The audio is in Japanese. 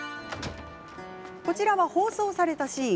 こちらは放送されたシーン。